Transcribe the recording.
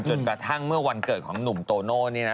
จนกระทั่งเมื่อวันเกิดของหนุ่มโตโน่นี่นะ